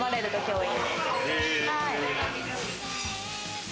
はい。